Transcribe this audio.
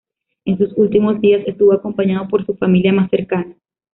En sus últimos días estuvo acompañado por su familia más cercana.